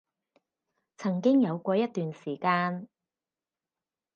曾經有過一段時間